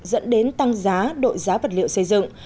dẫn đến tăng giá đội giá vật liệu xây dựng